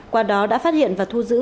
qua đó đã phát hiện và thu giữ